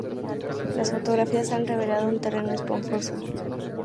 Las fotografías han revelado un terreno esponjoso.